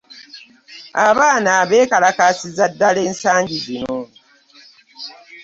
Abaana beekalakaasizza ddala ensangi zino.